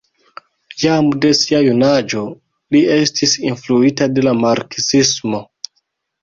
Jam de sia junaĝo li estis influita de la marksismo.